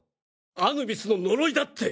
アヌビスの呪いだって！